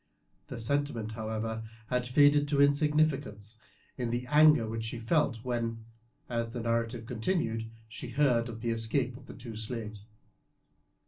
The sentiment, however, had faded to insignificance in the anger which she felt when, as the narrative continued, she heard of the escape of the two slaves.